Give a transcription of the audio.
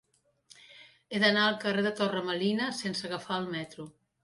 He d'anar al carrer de Torre Melina sense agafar el metro.